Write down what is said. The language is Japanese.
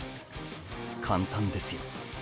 簡単ですよ。